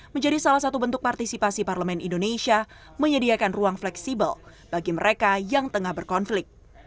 menjadi salah satu bentuk partisipasi parlemen indonesia menyediakan ruang fleksibel bagi mereka yang tengah berkonflik